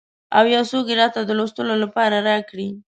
او یو څوک یې راته د لوستلو لپاره راکړي.